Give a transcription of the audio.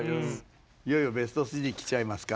いよいよベスト３きちゃいますか。